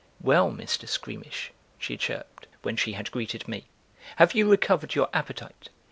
"Well, Mr. Squeamish," she chirped, when she had greeted me, "have you recovered your appetite?"